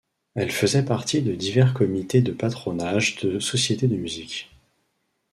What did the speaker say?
Elle faisait partie de divers comités de patronage de sociétés de musique.